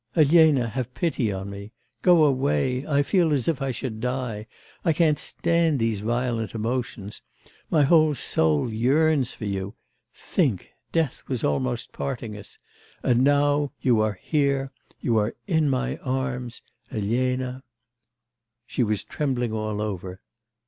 'Elena, have pity on me; go away, I feel as if I should die.... I can't stand these violent emotions... my whole soul yearns for you ... think, death was almost parting us.. and now you are here, you are in my arms... Elena ' She was trembling all over.